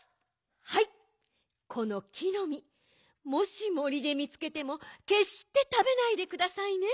はいこの木のみもし森でみつけてもけっしてたべないでくださいね。